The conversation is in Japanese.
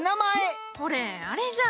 ほれあれじゃ。